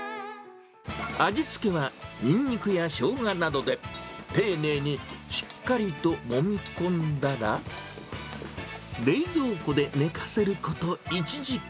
味付けはにんにくやしょうがなどで、丁寧にしっかりともみ込んだら、冷蔵庫で寝かせること１時間。